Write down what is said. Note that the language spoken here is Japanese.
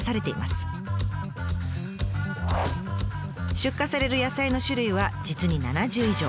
出荷される野菜の種類は実に７０以上。